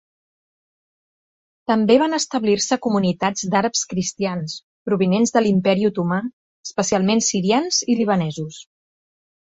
També van establir-se comunitats d'Àrabs Cristians, provinents de l'Imperi Otomà, especialment sirians i libanesos.